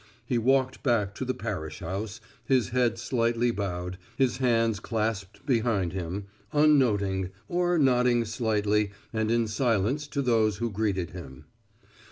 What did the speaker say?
He walked back to the parish house, his head slightly bowed, his hands clasped behind him, unnoting, or nodding slightly and in silence to those who greeted him.